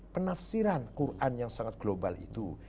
penafsiran quran yang sangat global itu